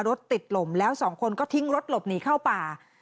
รถติดลมแล้วสองคนก็ทิ้งรถหลบหนีเข้าป่า